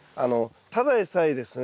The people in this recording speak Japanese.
ただでさえですね